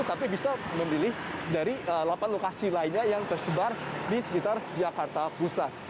tapi bisa memilih dari delapan lokasi lainnya yang tersebar di sekitar jakarta pusat